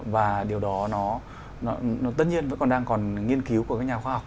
và điều đó tất nhiên vẫn còn đang nghiên cứu của nhà khoa học